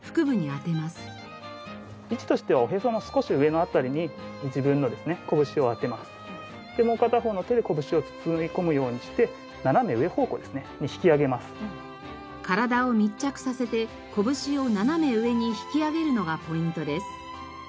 位置としては体を密着させて拳を斜め上に引き上げるのがポイントです。